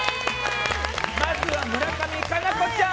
まずは村上佳菜子ちゃん